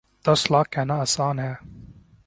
دس لاکھ کہنا آسان ہے۔